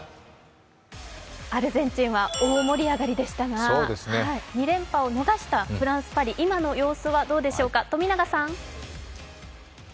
アルゼンチンは大盛り上がりでしたが、２連覇を逃したフランス・パリ今の様子はどうでしょうか。